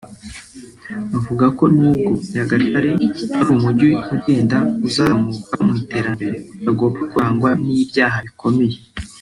Avuga ko nubwo Nyagatare ari umujyi ugenda uzamuka mu iterambere utagomba kurangwa n’ibyaha bikomeye